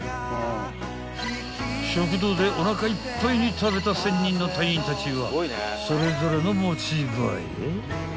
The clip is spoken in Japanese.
［食堂でおなかいっぱいに食べた１，０００人の隊員たちはそれぞれの持ち場へ］